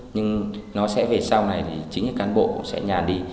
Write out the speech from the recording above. nhưng nó sẽ về sau này thì chính cán bộ cũng sẽ nhàn đi